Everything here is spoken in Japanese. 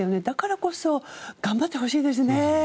だからこそ頑張ってほしいですね。